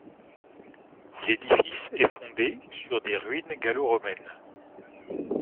L'édifice est fondé au sur des ruines gallo-romaines.